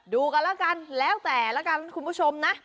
ดูกันแล้วกันแล้วแต่ละกันคุณผู้ชมนะ